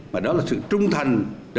mà đó là sự trung thành